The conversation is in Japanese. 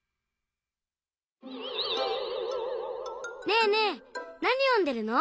ねえねえなによんでるの？